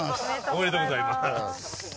おめでとうございます。